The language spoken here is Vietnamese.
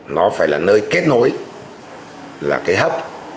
nó phải là nơi kết nối là cái hấp